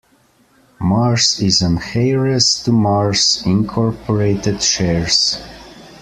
Mars is an heiress to Mars, Incorporated shares.